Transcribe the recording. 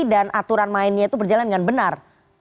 dan aturan mainnya itu berjalan dengan benar